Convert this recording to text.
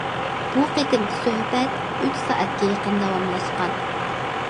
بۇ قېتىمقى سۆھبەت ئۈچ سائەتكە يېقىن داۋاملاشقان.